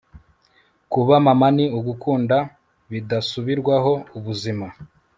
kuba mama ni ugukunda bidasubirwaho ubuzima